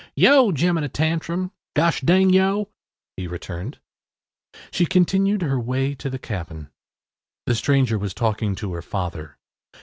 “Yo! Jemina Tantrum. Gosh ding yo’!” he returned. She continued her way to the cabin. The stranger was talking to her father.